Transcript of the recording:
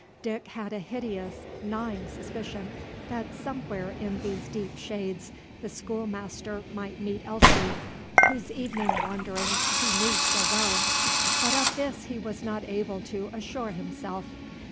Dick had a hideous, gnawing suspicion that somewhere in these deep shades the schoolmaster might meet Elsie, whose evening wanderings he knew so well. But of this he was not able to assure himself.